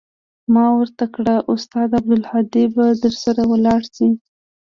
ما ورته كړه استاده عبدالهادي به درسره ولاړ سي.